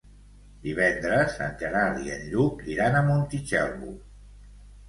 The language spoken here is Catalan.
Divendres en Gerard i en Lluc iran a Montitxelvo.